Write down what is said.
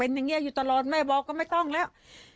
อย่างนี้อยู่ตลอดแม่บอกก็ไม่ต้องแล้ว